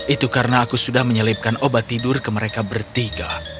itu karena aku sudah menyelipkan obat tidur ke mereka bertiga